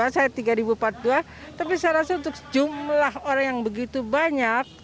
saya tiga dua puluh dua saya tiga empat puluh dua tapi saya rasa untuk jumlah orang yang begitu banyak